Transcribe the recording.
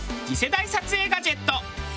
次世代撮影ガジェット。